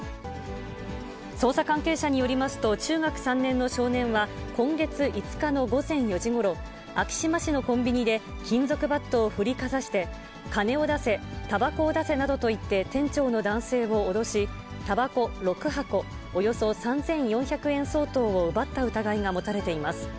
捜査関係者によりますと、中学３年の少年は、今月５日の午前４時ごろ、昭島市のコンビニで、金属バットを振りかざして、金を出せ、たばこを出せなどと言って、店長の男性を脅し、たばこ６箱、およそ３４００円相当を奪った疑いが持たれています。